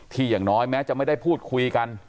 อย่างน้อยแม้จะไม่ได้พูดคุยกัน